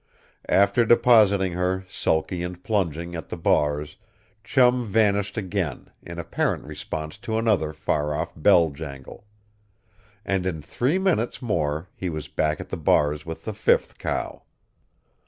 After depositing her, sulky and plunging, at the bars, Chum vanished again in apparent response to another far off bell jangle. And in three minutes more he was back at the bars with the fifth cow.